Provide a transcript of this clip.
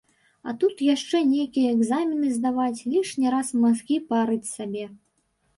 А тут яшчэ нейкія экзамены здаваць, лішні раз мазгі парыць сабе.